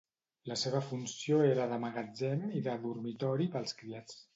La seva funció era de magatzem i de dormitori pels criats.